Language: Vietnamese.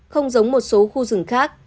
không giống một số khu rừng khác